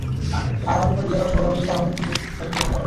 আর আমাদের পরে বিয়ে করা সকল দম্পতিকে আমাদের কিংবদন্তি বহন করাবে।